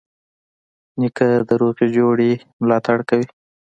نیکه د روغي جوړې ملاتړ کوي.